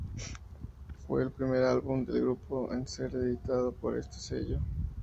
Fue el primer álbum del grupo en ser editado por este sello.